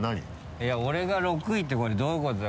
いや俺が６位ってこれどういうことだ？